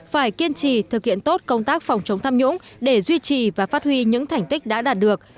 phải kiên trì thực hiện tốt công tác phòng chống tham nhũng để duy trì và phát huy những thành tích đã đạt được